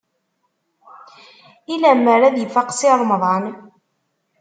I lemmer ad ifaq Si Remḍan?